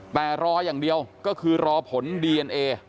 แต่รออย่างเดียวก็คือรอผลดีเอ็นเอ